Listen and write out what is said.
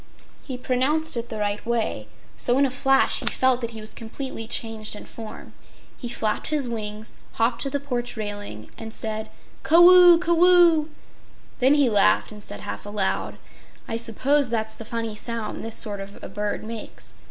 He pronounced it the right way, so in a flash he felt that he was completely changed in form. He flapped his wings, hopped to the porch railing and said: "Caw oo! Caw oo!" Then he laughed and said half aloud: "I suppose that's the funny sound this sort of a bird makes.